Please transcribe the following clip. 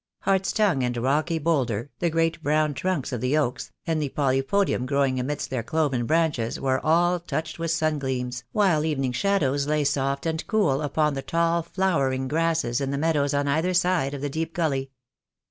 Hart's tongue and rocky boulder, the great brown trunks of the oaks and the polypodium growing amidst their cloven branches were all touched with sun gleams, while evening shadows lay soft and cool upon the tall flowering grasses in the meadows on either side of the deep gully.